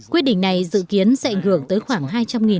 quyết định này dự kiến sẽ gửi tới khoảng